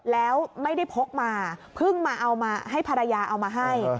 แล้วไม่ได้พกมาเพิ่งมาเอามาให้ภรรยาเอามาให้